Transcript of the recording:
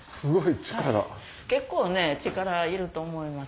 結構ね力いると思います。